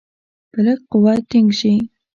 په لږ قوت ټینګ شي.